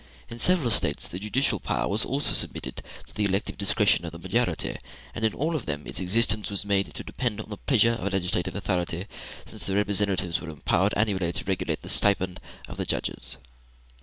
In several States the judicial power was also submitted to the elective discretion of the majority, and in all of them its existence was made to depend on the pleasure of the legislative authority, since the representatives were empowered annually to regulate the stipend of the judges.